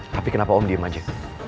tapi kenapa om diem aja